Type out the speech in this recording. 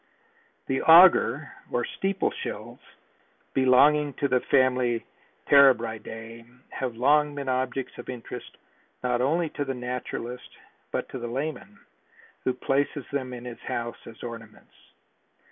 The Auger or steeple shells, belonging to the family Terebridae, have long been objects of interest not only to the naturalist but to the layman who places them in his house as ornaments.